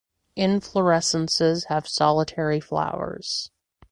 Inflorescences have solitary flowers.